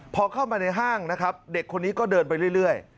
พอเข้ามาในห้างนะครับเด็กคนนี้ก็เดินไปเรื่อย